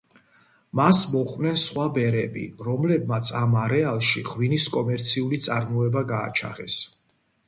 მას მოჰყვნენ სხვა ბერები, რომლებმაც ამ არეალში ღვინის კომერციული წარმოება გააჩაღეს.